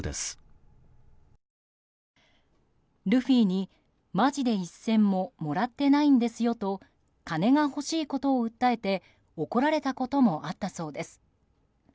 ルフィにまぢで一銭ももらってないんですよと金が欲しいことを訴えて怒られたこともあったそうです。